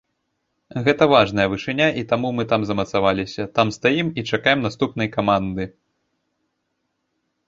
Гэта важная вышыня, і таму мы там замацаваліся, там стаім і чакаем наступнай каманды.